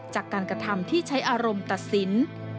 จากการกระทำที่ใช้อารมณ์ตัดสิน